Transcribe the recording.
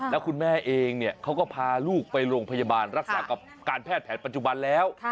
แล้วคุณแม่เองเขาก็พาลูกไปโรงพยาบาลรักษากับการแพทย์แผนปัจจุบันแล้ว